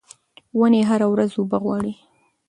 ونې هره ورځ اوبه غواړي.